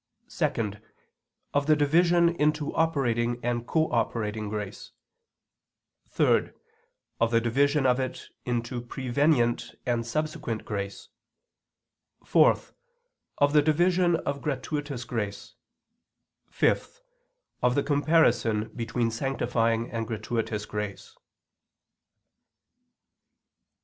(2) Of the division into operating and cooperating grace; (3) Of the division of it into prevenient and subsequent grace; (4) Of the division of gratuitous grace; (5) Of the comparison between sanctifying and gratuitous grace.